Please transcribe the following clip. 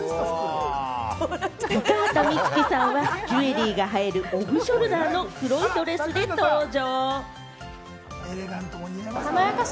高畑充希さんはジュエリーが映えるオフショルダーの黒いドレスで登場！